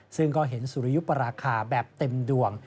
ซึ่งก็เห็นสุริยุปราคาแบบเต็มดวง